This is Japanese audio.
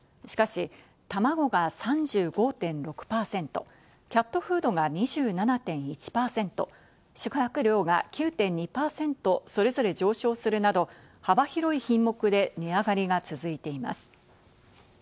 しかし、たまごが３５．６％、キャットフードが２７．１％、宿泊料が９．２％、それぞれ上昇するなど幅広い品目で値上がりが続いています。